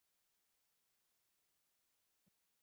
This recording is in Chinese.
兴趣是影片录制。